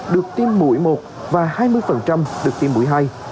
được tiêm mũi một và hai mươi được tiêm mũi hai